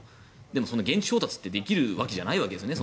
でも、現地調達ってできるわけじゃないですよね。